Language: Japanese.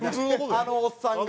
あのおっさんが。